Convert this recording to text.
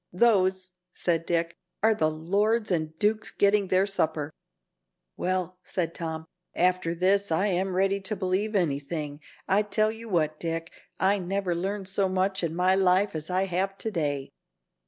"Those," said Dick, "are the lords and dukes getting their supper." "Well," said Tom, "after this I am ready to believe anything. I tell you what, Dick, I never learned so much in my life as I have to day."